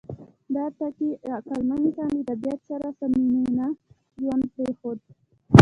دا ټکي عقلمن انسان د طبیعت سره صمیمانه ژوند پرېښود.